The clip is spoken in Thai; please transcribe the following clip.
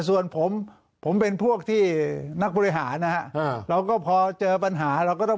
ส่วนผมผมเป็นพวกที่นักบริหารนะฮะเราก็พอเจอปัญหาเราก็ต้อง